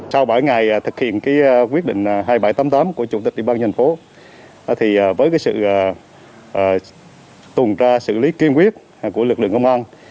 cái quyết định hai nghìn bảy trăm tám mươi tám của chủ tịch địa bàn dành phố thì với cái sự tùn tra xử lý kiên quyết của lực lượng công an